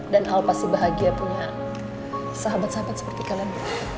dan al pasti bahagia punya sahabat sahabat seperti kalian